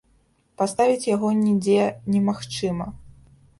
Паставіць яго нідзе не магчыма.